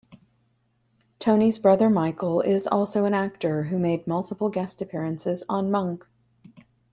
Tony's brother Michael is also an actor who made multiple guest appearances on "Monk".